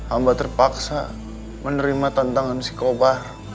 ambah terpaksa menerima tantangan si kobar